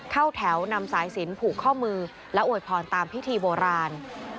เข้าแถวนำสายสินผูกข้อมือและอวยพรตามพิธีโบราณ